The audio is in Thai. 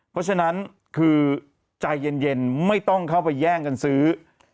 เพราะฉะนั้นคือใจเย็นไม่ต้องเข้าไปแย่งกันซื้อ